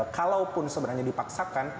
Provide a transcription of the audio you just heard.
kalaupun sebenarnya dipaksakan